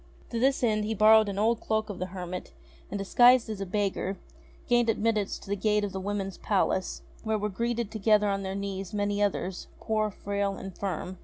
To this end he borrowed an old cloak of the hermit, and, disguised as a beggar, gained admittance to the gate of the Women's Palace, where were gathered together on their knees many others, poor, frail, infirm.